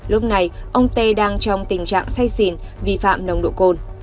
lúc này ông tê đang trong tình trạng say xỉn vi phạm nồng độ cồn